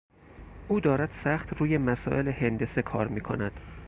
او دارد سخت روی مسائل هندسه کار میکند.